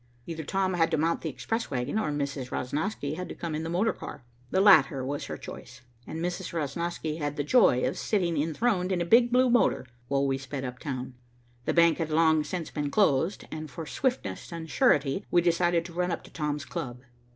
Either Tom had to mount the express wagon, or Mrs. Rosnosky had to come in the motor car. The latter was her choice, and Mrs. Rosnosky had the joy of sitting enthroned in a big blue motor, while we sped up town. The bank had long since been closed, and for swiftness and surety we decided to run up to Tom's club.